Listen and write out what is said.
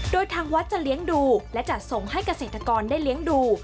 โดยทางวัดจะเลี้ยงดูและจัดส่งให้เกษตรกรได้เลี้ยงดู